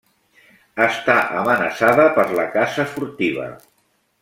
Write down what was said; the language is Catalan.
Està amenaçada per la caça furtiva.